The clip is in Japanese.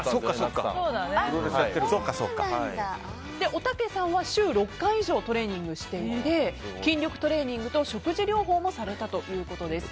おたけさんは週６回以上トレーニングしていて筋力トレーニングと食事療法もされたということです。